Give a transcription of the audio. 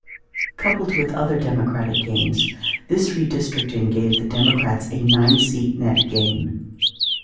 Coupled with other Democratic gains, this redistricting gave the Democrats a nine-seat net gain.